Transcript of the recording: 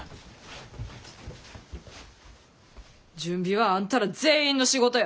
準備はあんたら全員の仕事や。